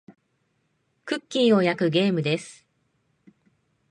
クッキーを焼くゲームです。